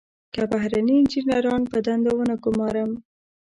که بهرني انجنیران په دندو ونه ګمارم.